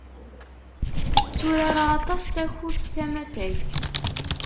Tturareɣ aṭas takurt tamafagt.